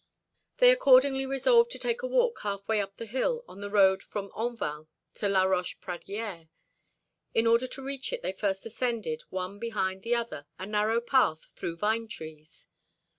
They accordingly resolved to take a walk halfway up the hill on the road from Enval to La Roche Pradière. In order to reach it, they first ascended, one behind the other, a narrow path through vine trees.